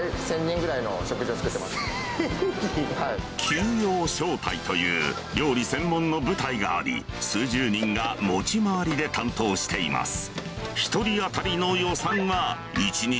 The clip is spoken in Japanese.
給養小隊という料理専門の部隊があり数十人が持ち回りで担当しています